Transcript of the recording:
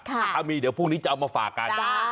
ถ้ามีเดี๋ยวพรุ่งนี้จะเอามาฝากกัน